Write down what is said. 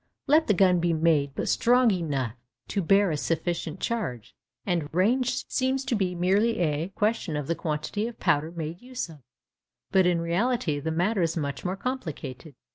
Let the gun be made but strong enough to bear a sufficient charge, and range seems to be merely a question of the quantity of powder made use of. But in reality the matter is much more complicated.